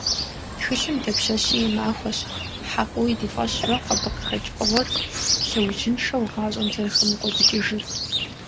Тхылъым дапщэщи и махуэщ, хьэкъыуи ди фӏэщ мэхъу абы къыхэкӏ фӏыгъуэр лъэужьыншэу гъащӏэм зэрыхэмыкӏуэдыкӏыжыр.